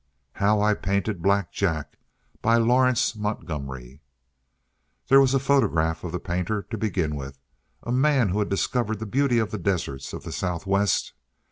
"How I Painted Black Jack," by Lawrence Montgomery. There was the photograph of the painter, to begin with a man who had discovered the beauty of the deserts of the Southwest.